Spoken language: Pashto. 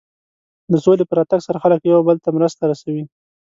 د سولې په راتګ سره خلک یو بل ته مرستې رسوي.